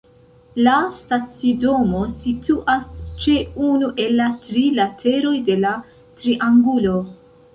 La stacidomo situas ĉe unu el la tri lateroj de la triangulo.